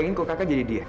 mungkin kok kakak jadi dia